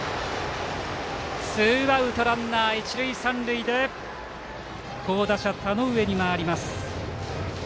ツーアウトランナー、一塁三塁で好打者の田上に回ります。